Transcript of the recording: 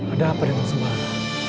ada apa dengan sembara